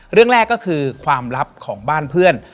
เรื่องแรกก็คือความลับของบ้านเพื่อน